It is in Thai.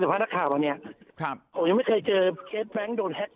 ภาพนักข่าวตอนเนี้ยครับผมยังไม่เคยเจอเคสแบงค์โดนแท็ก